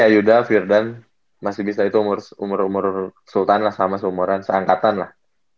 iya yuda firdan masih bisa itu umur umur sultan lah sama seumuran seangkatan lah